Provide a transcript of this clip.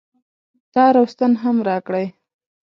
تار او ستن هم راکړئ